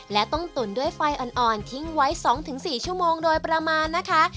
และต้องตุ๋นด้วยไฟอ่อนทิ้งไว้๒๔ชั่วโมงโดยประมาณนะคะ